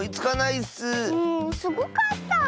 うんすごかった！